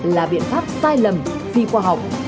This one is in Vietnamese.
là biện pháp sai lầm phi khoa học